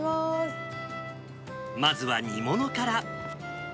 まずは煮物から。